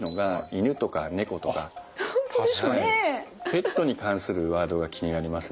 ペットに関するワードが気になりますね。